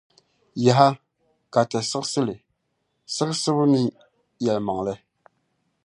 Yaha! Ka Ti siɣisi li, siɣisibu ni yεlimaŋli.